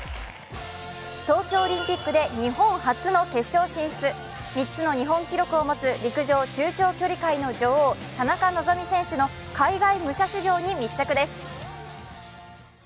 東京オリンピックで日本初の決勝進出、３つの日本記録を持つ陸上中長距離界の女王、田中希実選手の海外武者修行に密着です。